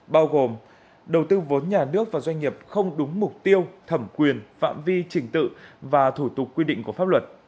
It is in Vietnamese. bao gồm đầu tư vốn nhà nước vào doanh nghiệp không đúng mục tiêu thẩm quyền phạm vi trình tự và thủ tục quy định của pháp luật